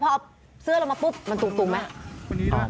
พอเสื้อมาปุ๊บมันตุงไหม